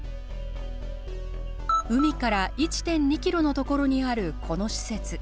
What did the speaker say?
海から１．２キロのところにあるこの施設。